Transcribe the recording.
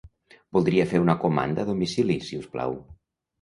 Voldria fer una comanda a domicili, si us plau.